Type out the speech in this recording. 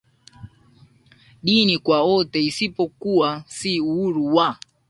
dini kwa wote isipokuwa si uhuru wa